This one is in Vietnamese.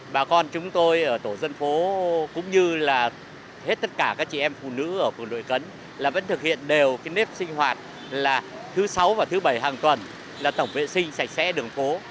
và hết tất cả các chị em phụ nữ ở phường đội cấn là vẫn thực hiện đều cái nếp sinh hoạt là thứ sáu và thứ bảy hàng tuần là tổng vệ sinh sạch sẽ đường phố